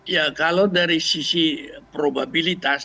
ya kalau dari sisi probabilitas